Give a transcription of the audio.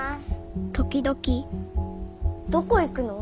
時々どこ行くの？